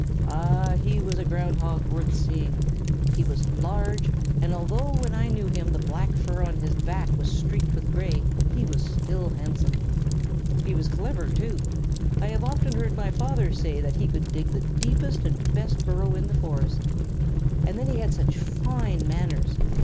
Ah, he was a Ground Hog worth seeing! He was large, and, although when I knew him the black fur on his back was streaked with gray, he was still handsome. He was clever, too. I have often heard my father say that he could dig the deepest and best burrow in the forest. And then he had such fine manners!